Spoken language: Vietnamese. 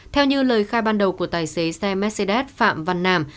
theo như lời khai ban đầu của tài xế xemexedex phạm văn nam